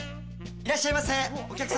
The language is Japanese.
いらっしゃいませお客様